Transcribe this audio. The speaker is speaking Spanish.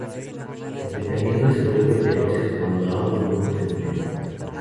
Los enfrentamientos se vuelven feroces cuando ambos grupos se encuentran.